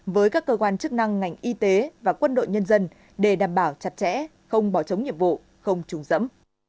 với các cơ quan chức năng ngành y tế và quân đội nhân dân để đảm bảo chặt chẽ không bỏ chống nhiệm vụ không trùng dẫm